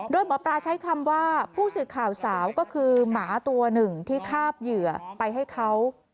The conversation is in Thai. โดยหมอปลาใช้คำว่าผู้สื่อข่าวสาวก็คือหมาตัวหนึ่งที่คาบเหยื่อไปให้เขา